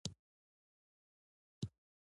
په افغانستان کې په پوره توګه دځنګل حاصلات شتون لري.